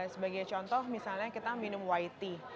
sebagai contoh misalnya kita minum white tea